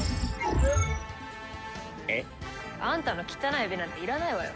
えっ？あんたの汚い指なんていらないわよ。